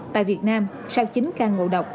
tại việt nam sau chín ca ngộ độc